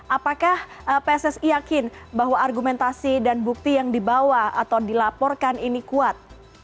apakah pssi yakin bahwa argumentasi dan bukti yang dibawa atau dilaporkan ini kuat